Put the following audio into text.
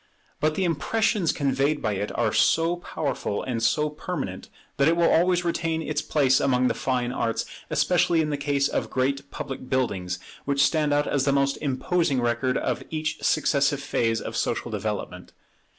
But the impressions conveyed by it are so powerful and so permanent, that it will always retain its place among the fine arts, especially in the case of great public buildings, which stand out as the most imposing record of each successive phase of social development.